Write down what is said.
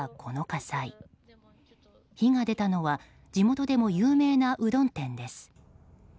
火が出たのは地元でも有名なうどん店です。